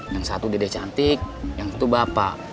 yang satu dede cantik yang satu bapak